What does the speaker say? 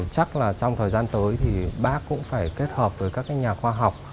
chắc trong thời gian tới bác cũng phải kết hợp với các nhà khoa học